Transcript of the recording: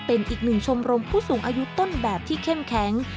เป็นอีกหนึ่งชมรมผู้สูงอายุต้นแบบที่เข้มแข็ง